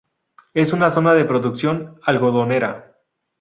Es una zona de producción algodonera.